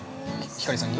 ◆ひかりさんに？